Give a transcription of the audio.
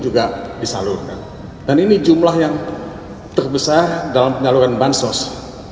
mudah mudahan mahkamah konstitusi melihat urgensi dari kehadiran menteri pmk dalam persidangan di mahkamah konstitusi